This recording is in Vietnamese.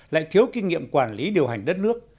lại thiếu kinh nghiệm quản lý điều hành đất nước